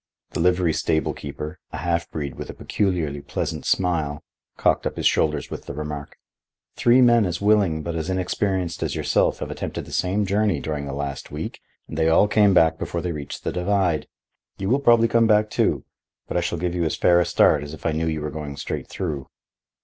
The livery stable keeper—a half breed with a peculiarly pleasant smile—cocked up his shoulders with the remark: "Three men as willing but as inexperienced as yourself have attempted the same journey during the last week and they all came back before they reached the divide. You will probably come back, too; but I shall give you as fair a start as if I knew you were going straight through."